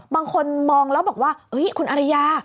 บางคนมองแล้วบอกว่าคุณอริยา